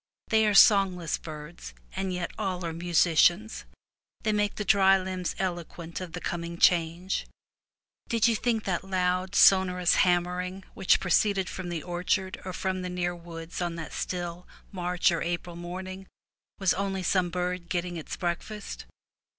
They are songless birds, and yet all are musicians; they make the dry limbs eloquent of the coming change. Did you think that loud, sonorous ham mering which proceeded from the orchard or from the near woods on that still March or April morning was only some bird getting its breakfast?